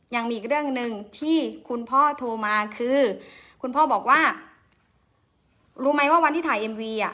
ยังมีอีกเรื่องหนึ่งที่คุณพ่อโทรมาคือคุณพ่อบอกว่ารู้ไหมว่าวันที่ถ่ายเอ็มวีอ่ะ